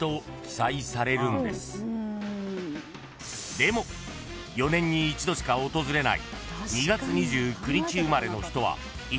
［でも４年に１度しか訪れない］